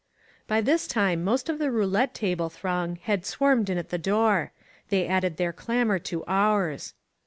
By this time most of the roulette table throng had swarmed in at the door. They added their clamor to ours.